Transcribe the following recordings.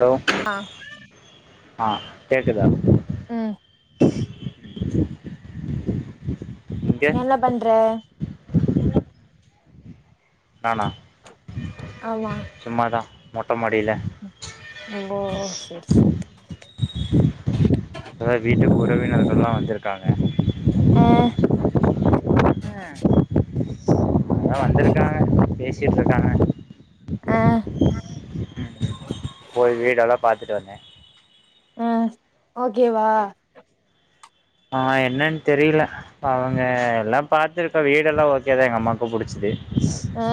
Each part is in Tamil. லோ ஆ ஆ கேக்குதா ம் இங்கே என்ன பண்ற நானா ஆமா சும்மாதா மொட்ட மாடில ஓ செர் செர் இப்பதா வீட்டுக்கு உறவினர்கள்ல்லா வந்திருக்காங்க ஆ அதா வந்துருக்காங்க பேசிட்டுருக்காங்க ஆ போயி வீடெல்லா பாத்துட்டு வந்தே ம் ஓக்கே வா ஆ என்னனு தெரியில அவங்க எல்லா பாத்துருக்கோ வீடெல்லா ஓக்கோ தா எங்க அம்மாக்கு புடிச்சது ஆ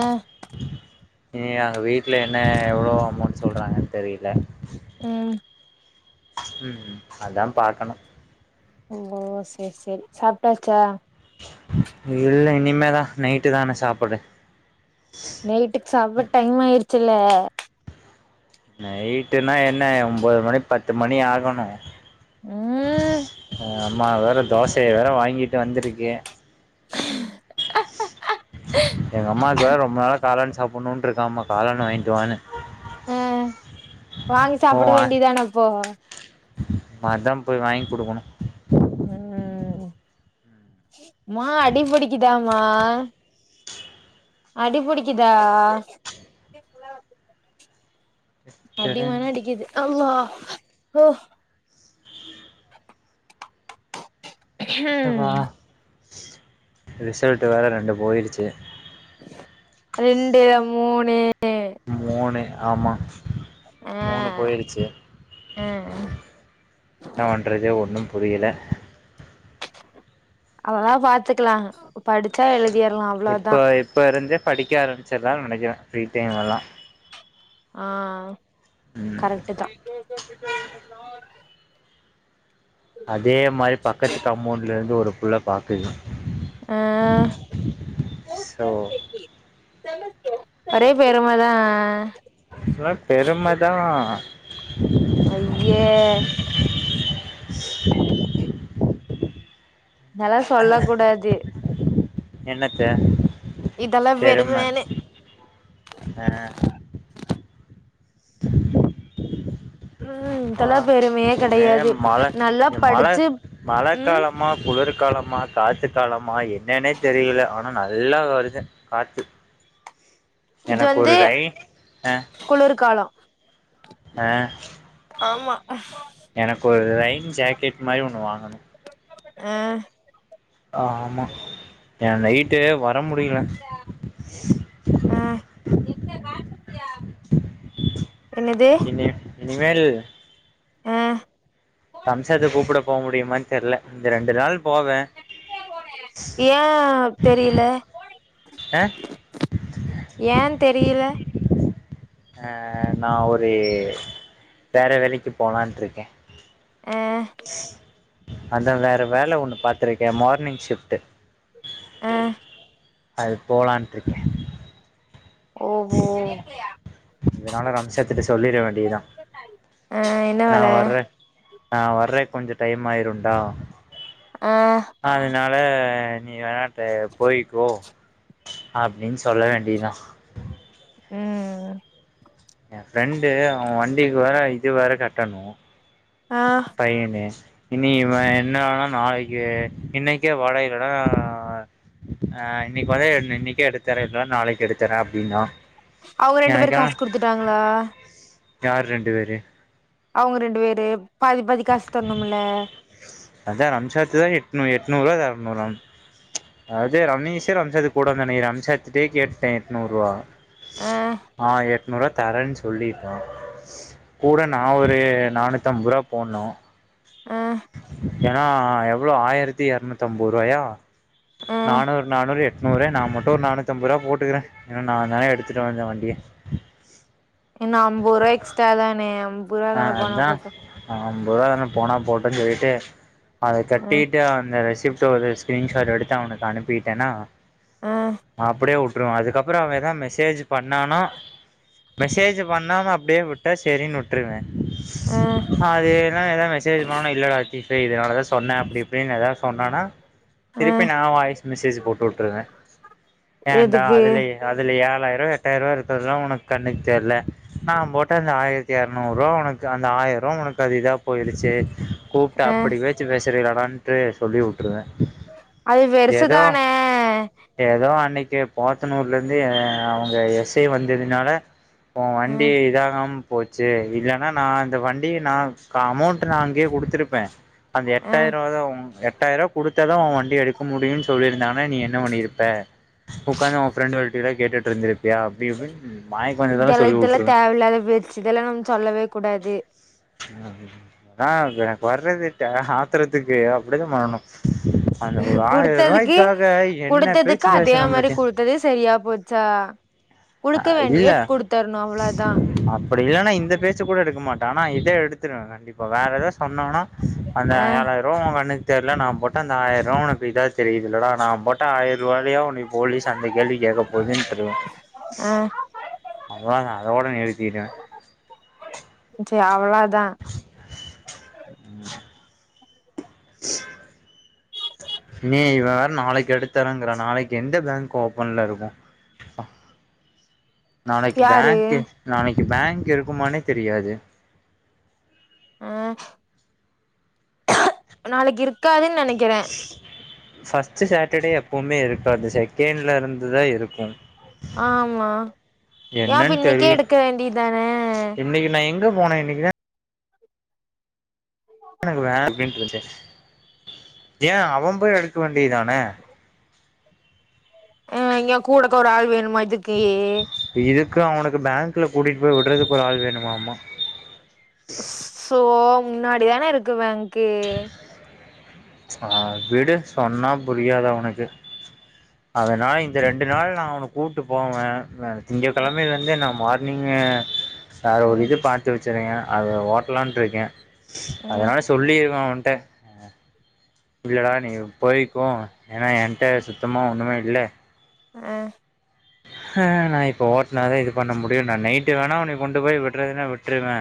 இனி அங்க வீட்ல என்ன எவ்ளோ அமௌண்ட் சொல்றாங்கன்னு தெரியில ம் ம் அதா பாக்கணு ஓ செரி செரி சாப்ட்டாச்சா இல்ல இனிமே தா நைட்டு தா ன சாப்புடு நைட்டுக்கு சாப்பட டைம் ஆயிருச்சில்ல நைட்டுன்னா என்ன ஒம்பது மணி பத்து மணி ஆகனு ம் அம்மா வேற தோசைய வேற வாங்கிட்டு வந்திருக்கே எங்க அம்மாக்கு வேற ரொம்ப நாளா காலான் சாப்புடுணுன்னு இருக்காம்மா காளானு வாங்கிட்டு வானு ஆ வாங்கி சாப்பட போவா வேண்டி தான அப்போ அதா போய் வாங் குடுகணு ம் மா அடிபுடிகிதாமா அடிபுடிக்கிதா டடன் அடிமான அடிக்குது அல்லா ஹூ ஸ்டப்பா ரிசல்ட் வேற ரெண்டு போயிடுச்சு ரெண்டு மூணு மூணு ஆம்மா மூணு ஆ போயிடுச்சு ம் என்ன பண்றதே ஒண்ணு புரியல அதலா பாத்துக்கலா படிச்சா எழுதிடலாம் இப்ப இப்ப இருந்தே படிக்க ஆரம்பிச்சிருலா நெனைக்குறே ஃப்ரீ டைம்ல எல்லா ஆ ம் கரெக்ட் தா அதே மாரி பக்கத்து கமோண்டல இருந்து ஒரு புள்ள பாக்குது ஆ சோ ஒரே பெரும தா இதல்ல பெரும தா அங்கே நால்லா சொல்ல கூடாது என்னத்த இதெல்லா பெரும பெருமன்னு ஆ ம் ப்ப இதெல்லா பெருமையே ஒரே கெடையாது மழ நல்லா இது மழ படிச்சு மழ ம் காலமா குளுர்காலமா காத்து காலமா என்னென்னே தெரியல ஆனா நல்லா வருது காத்து இது எனக்கு வந்து ஒறுரைய் குளிர்காலோ ஆ ஆம்மா எனக்கு ஒரு லைன் ஜாக்கெட் மாரி ஒன்னு வாங்கனு ஆஹ் ஆமா என் நைட்டு வர முடியல [inaudible] ஆ [unintelligible] என்னது இப் இனிமேல் ம் சம்சாரத்த கூப்பிட போக முடியுமானு தெரியல இந்த ரெண்டு நாள் போவேன் ஏன் தெரியல ஏ ஏன் தெரியல ஆ நான் ஒரு வேற வேலைக்கு போலான்ட்டு இருக்கேன் ம் அதான் வேற வேலை ஒண்ணு பாத்துருக்கேன் மார்னிங் ஷிப்ட் ஆ அது போலான்ட்டு இருக்கேன் ஓஹோ [inaudible] இதனால சம்சாரத்துட்ட சொல்லிட வேண்டியதுதான் ஆ என்ன நான் வேல வர்றேன் நான் வர்றேன் கொஞ்சம் டைம் ஆயிரும்ண்டா ஆ ஆகையினா நீ வேணா போய்கோ அப்படின்னு சொல்ல வேண்டியது தான் ம்ம்ம் என் ஃப்ரெண்டு அவன் வண்டிக்கு வேற இது வேற கட்டணும் ஆ ஃபைனு நீ என்ன ஆனா நாளைக்கு இன்னைக்கே வாடா இல்லன்னா ஆ இன்னைக்கு வரேன் இன்னைக்கே எடுத்தறேங்களா இல்ல நாளைக்கு எடுத்தறேன் அப்படின்றான் அவங்க ரெண்டு பேரு காசு குடுத்துட்டாங்களா யாரு ரெண்டு பேரு அவங்க ரெண்டு பேரு பாதி பாதி காசு தரணுமல்ல அதான் அம்ஷாத்துதான்எட்டு நூ எட்டுநூறு ரூபா தரணும் அதே ரமேஷ் அம்சாத்துக்கு கூட வந்தானு நெனைக்கிறேன் அம்சாத்துட்டே கேட்டுடேன் எட்நூறு ரூபா ஆ ஆ எட்நூறு ரூபா தரேன்னு சொல்லிட்டான் கூட நான் ஒரு நானூத்தி அம்பது ரூபா போடணும் ம் ஏன்னா எவ்ளோ ஆயிரத்தி எறநூத்தம்பது ரூபாயா ஆ நானூறு நானூறு எட் நூறு நான் மட்டும் நானூத்தம்பது ரூபா போட்டுக்குறேன் ஏன்னா நான் தானே எடுத்துட்டு வந்தேன் வண்டிய இன்னும் அம்பது ரூபா எக்ஸ்ட்ரா தானே ஆம் ஆ அதான் ஐம்பது ரூபா போனா போட்டும்ன்னு சொல்லிட்டு அதை ஆ கட்டிட்டு அந்த ரெசிப்ட் ஒரு ஸ்கிரீன்ஷாட் எடுத்து அவனுக்கு அனுப்பிட்டேன்னா ஆ அப்படியே விட்டுருவான் அதுக்கப்புறம் அவன் ஏதான் மெசேஜ் பண்ணான மெசேஜ் பண்ணாம அப்படியே விட்டா சரினு விட் ஆ அதில்ல எதோ மெசேஜ் பண்ணு இல்லனா தான் சொன்னேன் அப்படி இப்படினு எதாவது சொன்னனா ஆ திருப்பி நான் வாய்ஸ் மெசேஜ் போட்டு வுட்டுருவேன் ஏண்டா எதுக்கு அதுலயே அதுல ஏழாயிர ரூவா எட்டாயிரம் ரூபா இருக்கறதலாம் உனக்கு கண்ணுக்கு தெரியல நான் போட்ட அந்த ஆயிரத்த இரநூறு ரூபா உனக்கு அந்த ஆயிரம் ரூபா உனக்கு அது இதா போயிடுச்சு கூப்பிட்டு ஆ அப்படி பேசுறீங்களாடான்ட்டு சொல்லி விட்டுருவேன் அது பெருசுதானே ஏதோ அன்னைக்கு போத்தனூர்ல இருந்து அவங்க எஸ் ஐ வந்ததுனால ஓ ஆ வண்டி இதாகாம போச்சு இல்லன்னா நா இந்த வண்டிய நா அமௌண்ட் நா அங்கியே குடுத்து ருப்பே அந்த ஆ எட்டாயிரோவாதா எட்டாயிரோ குடுத்தாத உ வண்டிய எடுக்க முடியுன் சொல்லியிருந்தாங்கனா நீ என்ன பண்ணிருப்ப உக்காந்து உ ஃப்ரெண்டுகள்டினா கேட்டு இருந்திருப்பியா அப்டிஇப்டின்னு இதெ இதெல்லா தேவல்லாத பேச்சு இதெல்லா நம்ம சொல்லவே கூடாது அ ஆஎனக்கு வர்றதிட்ட ஆதறதுக்கு அப்டியேதா பண்ணணு அந்த ஒரு குடுத்ததுக்கு ஆயிருவாய்க்காக என்ன பேச்சு குடுத்ததுக்கு அதே பேசுறா மாரி பாத்தியா குடுத்தது சரியா போச்சா அ குடுக்க இல்ல வேண்டியத குடுத்தரணு அவ்ளோதா அப் டி இல்லனா இந்த பேச்ச கூட எடுக்க மாட்டா ஆனா இத எடுத்துடுவே கண்டிப்பா வேற எதா சொன்னானா அந்த ஆ ஏல இதோ உ கண்ணுக்கு தெர்ல நா போட்ட அந்த ஆயருவா உனக்கு இதா தெரியுதுலடா நா போட்ட ஆயிரூவாலிய உன்ன இப் போலிஸ் அந்த கேள்வி கேக்க போதுன்று ஆ அப்றோ நா அதோட நிறுத்திடே சே அவ்ளோதா ம் ச்சு நீ இவ வேற நாளைக்கு எடுத்து தறங்குற நாளைக்கு எந்த பேங்க் ஓபன்ல இருக்கு நாளைக்கு யாரு பேங்க்கு நாளைக்கு பேங்கு இருக்குமானே‌ தெரியாது நாளைக்கு இருக்காதுன் நெனைக்கிறே ஃபஸ்ட் சாட்டர்டே எப்பவுமே இருக்காது செகண்ட்ல இருந்துதா இருக்கு ஆமா ஏ இப் என்னன்னு இன்னைக்கே தெரியு எடுக்க வேண்டியதானே இன்னைக்கு நா எங்க போனே இன்னைக்குதா எனக்குவே அப்டின்ட்டு இருக்கு ஏ அவ போய் எடுக்க வேண்டிய தானே அ கூடக்க ஒரு ஆள் வேணுமா இதுக்கு இதுக்கு அவனுக்கு பேங்க்ல கூட்டிட்டு போய் விட்றதுக்கு ஒரு ஆள் வேணுமாம்மா ஸ்சோ முன்னாடி தானே இருக்கு பேங்க்கு அ விடு சொன்னா புரியாது அவனுக்கு அந்த நாய் இந்த ரெண்டு நாள் நா அவன கூட்டு போவே திங்க கெழமைய்ல இருந்து நா மா நீங்க அது ஒரு ம் இது பாத்து வச்சுறூக்கே அது ஓட்டலானு இருக்கே ம் அதனால சொல்லிருவே அவன்ட்ட இல்லடா நீ போய்கோ ஏன்னா என்கிட்ட சுத்தமா ஒன்னுமே இல்ல அ ஹ நா இப்ப ஓட்னாதா இது பண்ண முடியு நா நைட்டு வேணா உன்னய கொண்டு போய் விடுறதுன்னா விட்டுருவே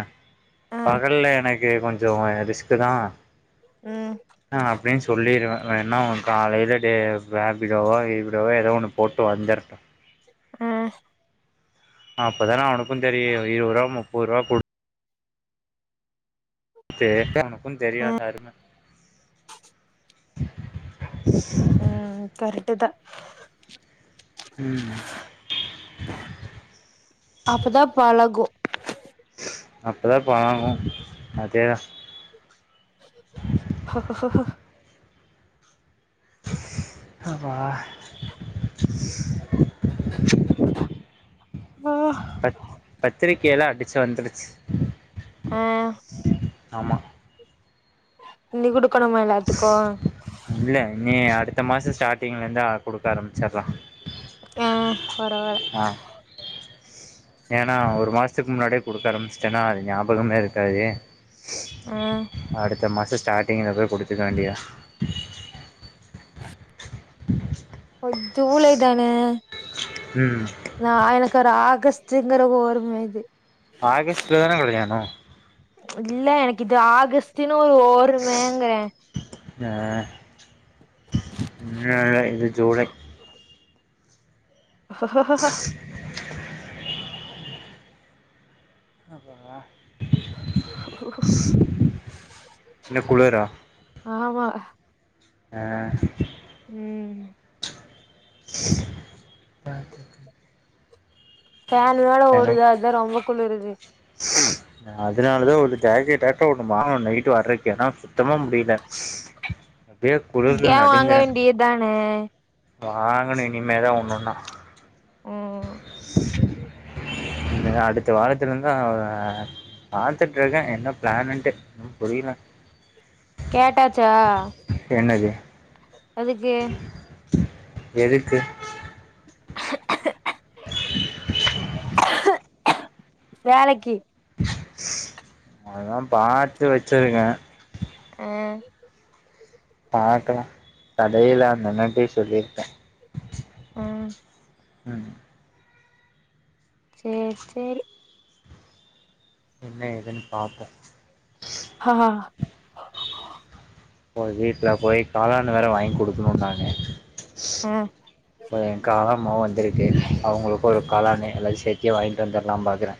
ஆ பகல்ல எனக்கு கொஞ்சோ ரிஸ்க்குதா ம் ஆ அப்டின் சொல்லிருவே வேன்னா அவ காலையில டே ரேபிடோவோ கீபிடோவோ எதோ ஒண்ணு போட்டு வந்துரட்டு ம் அப்பதான அவனுக்கு தெரியு இருவருவா முப்பருவா குடு கேட்டா எனக்கு தெரியு அந்த அரும ம் கர்ட்டுதா ம் அப்பதா பழகு அப்பதா பணங்கு அதேதா ஹக்ககஹோ ஹப்ஃபா பத் பத்திரை கீழ அடிச்சு வந்துடுச்சு ஆ ஆமா நீ குடுக்கணுமா எல்லாத்துக்கு இல்ல இனி அடுத்த மாசொ ஸ்டாடிங்ல ந்தெ குடுக்க ஆரம்பிச்சிர்லா ம் வரவர ஏன்னா ஒரு மாசத்துக்கு முன்னாடியே குடுக்க ஆரம்பிச்சுட்டன்னா அது ஞாபகமே இருக்காது ஆ அடுத்த மாச ஸ்டாட்டிங்ல போய் குடுத்துக்க வேண்டியதா ஓய் ஜுலை தானே ம் நா எனக்கு ஒரு ஆகஸ்ட்ங்கிற ஒரும இது ஆகஸ்ட் ல தான கல்யாணொ இல்ல எனக்கு இது ஆகஸ்டுன்னு ஒரு ஓர்மேங்ற ஆ இல்ல இல்ல இது ஜூலை ஹஹஹ ஹப்பா இன்னு குளிரா ஆமா ஆ ம் [unintelligible] ஃபேன் வேற ஓடுதா அதா ரொம்ப குளுருது ஸ் அதனாலதா ஒரு ஜாக்கெட் ஆட்ட ஒண்ணு வாங்கனு நைட்டு வர்றக்கே ஏன்னா சுத்தமா முடியல இப்பயே குளுர்ல நடுங்குற வேனு வாங்கனு இனிமேதா ஒண்ணொன்னா ம் அ அடுத்த வாரத்துல ந்து அவ பாத்துட்ருக்க என்ன பிளானுன்ட்டு புரியல கேட்டாச்சா என்னது அதுக்கு எதுக்கு வேலக்கி அதா பாத்து வச்சிருக்க ம் பாக்கலா தடையிலா நினைப்பெ சொல்லிர்க்கே ம் ம் சேர் சேரி என்ன ஏதுன் பாப்போ ஆஹ போய் வீட்ல போய் காளானு வேற வாய்ங் குடுக்குணு நானு ஆ அ எ காளாமோ வந்திருக்கு அவுங்களுக்கு ஒரு காளானு எல்லாரியு சேத்தியே வாய்ந்டு வந்துர்லாம் பாக்குற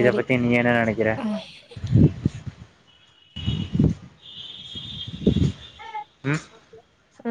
இத பத்தி நீ என்ன நெனைக்கிற ம் ம்